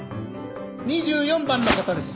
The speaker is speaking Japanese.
２４番の方です。